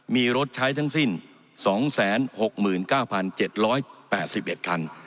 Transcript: มีรถใช้ทั้งสิ้น๒๖๙๗๘๑คัน